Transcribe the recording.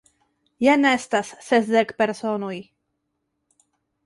Jen estas sesdek personoj!